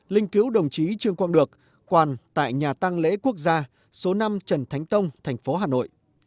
linh cứu đồng chí trương quang được quàn tại nhà tăng lễ quốc gia số năm trần thánh tông thành phố hà nội